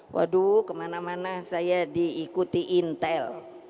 waduh kemana mana saya diikuti intel